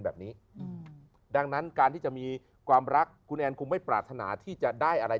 แบบนี้อืมดังนั้นการที่จะมีความรักคุณแอนคงไม่ปรารถนาที่จะได้อะไร